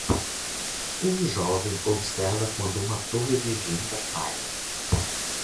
Um jovem observa quando uma torre de Jenga cai.